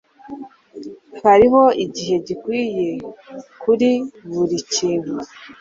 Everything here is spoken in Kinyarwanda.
Hariho igihe gikwiye kuri buri kintu.